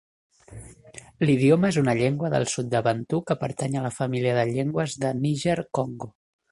L'idioma és una llengua del sud de Bantu que pertany a la família de llengües de Níger-Congo.